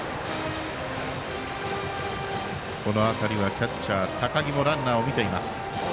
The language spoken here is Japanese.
キャッチャー、高木もランナーを見ています。